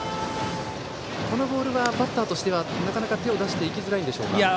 このボールはバッターとしてはなかなか手を出していきづらいでしょうか。